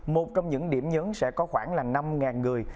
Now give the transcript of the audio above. một trong những điểm nhấn sẽ có khoảng là năm người